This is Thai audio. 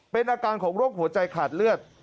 เป็นอาการของโรคหัวใจขาดเลือด